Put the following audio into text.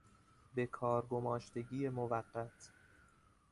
بهکار گماشتگی موقت